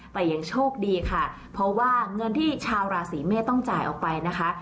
แต่ยังโชคดีค่ะเพราะว่าเงินที่ชาวราศีเมษต้องจ่ายออกไปนะคะ